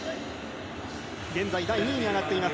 現在、第２位に上がっています。